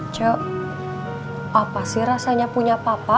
cok apa sih rasanya punya papa